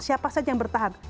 siapa saja yang bertahan